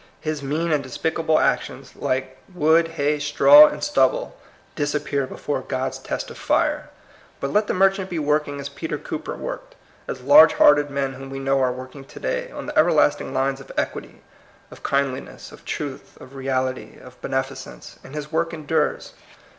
His mean and despicable actions, like '^wood, hay, straw, arid stubble," disappear before God's test of fire. But let the merchant be work ing as Peter Cooper worked, as large hearted men whom we know are working to day, on the everlasting lines of equity, of kindli ness, of truth, of reality, of beneficence, and his work endures.